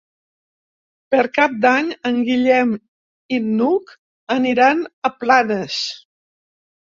Per Cap d'Any en Guillem i n'Hug aniran a Planes.